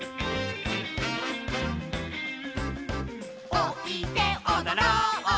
「おいでおどろう」